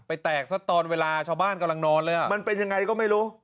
แตกซะตอนเวลาชาวบ้านกำลังนอนเลยอ่ะมันเป็นยังไงก็ไม่รู้